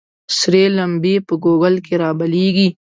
ســـــــرې لمـبـــــې په ګوګـل کــې رابلـيـــږي